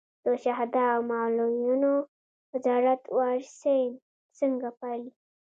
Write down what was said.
د شهدا او معلولینو وزارت وارثین څنګه پالي؟